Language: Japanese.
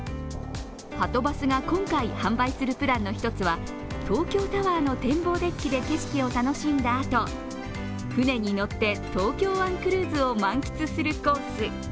はとバスが今回販売するプランの一つは東京タワーの展望デッキを景色を楽しんだあと、船に乗って東京湾クルーズを満喫するコース。